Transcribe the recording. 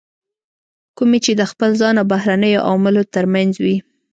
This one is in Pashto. کومې چې د خپل ځان او بهرنیو عواملو ترمنځ وي.